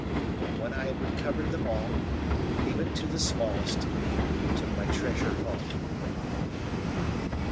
And when I had recovered them all, even to the smallest, I took my treasure home.